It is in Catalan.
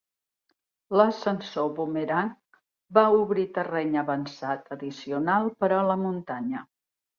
L'ascensor Boomerang va obrir terreny avançat addicional per a la muntanya.